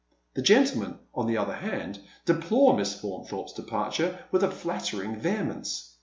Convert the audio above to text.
The gentlemen, on the other hand, deplore Miss Faunthorpe's departure with a flattering vehemence.